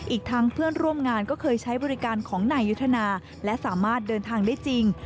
อีกทั้งเพื่อนร่วมงานก็เคยใช้บริการของนายยุทธนาและสามารถเดินทางได้จริง